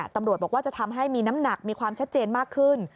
ตำรวจบอกว่าจะทำให้มีน้ำหนักมีความชัดเจนมากขึ้น